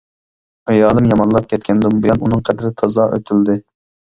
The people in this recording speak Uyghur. ئايالىم يامانلاپ كەتكەندىن بۇيان ئۇنىڭ قەدرى تازا ئۆتۈلدى.